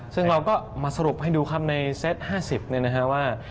ซึ่งเราก็มาสรุปให้ดูในเซ็ต๕๐ว่า